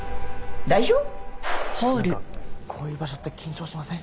何かこういう場所って緊張しません？